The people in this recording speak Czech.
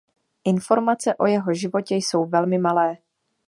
Informace o jeho životě jsou velmi malé.